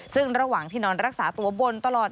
ซึ่งระหว่างที่นอนรักษาตัวบนตลอด